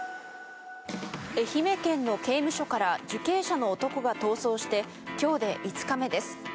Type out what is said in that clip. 愛媛県の刑務所から受刑者の男が逃走して今日で５日目です。